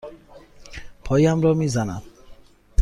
پایم را می زند.